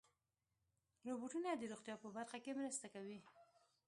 روبوټونه د روغتیا په برخه کې مرسته کوي.